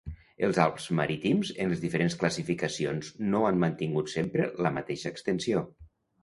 Els Alps marítims en les diferents classificacions no han mantingut sempre la mateixa extensió.